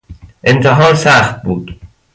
امتحان سخت بود.